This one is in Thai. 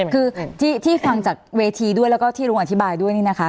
คือที่ฟังจากเวทีด้วยแล้วก็ที่ลุงอธิบายด้วยนี่นะคะ